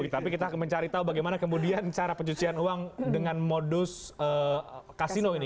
tapi kita mencari tahu bagaimana kemudian cara pencucian uang dengan modus kasino ini